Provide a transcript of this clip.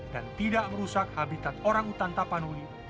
dan tidak merusak habitat orang utan tak panuli